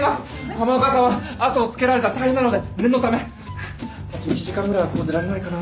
浜岡さんは後をつけられたら大変なので念のためあと１時間ぐらいはここ出られないかな。